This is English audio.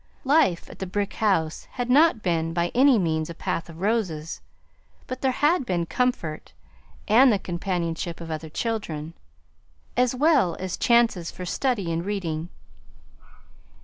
Life at the brick house had not been by any means a path of roses, but there had been comfort and the companionship of other children, as well as chances for study and reading.